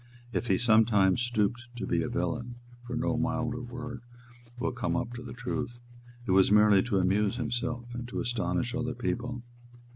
If he sometimes stooped to be a villain, for no milder word will come up to the truth, it was merely to amuse himself and to astonish other people.